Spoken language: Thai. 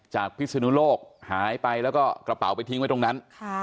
พิศนุโลกหายไปแล้วก็กระเป๋าไปทิ้งไว้ตรงนั้น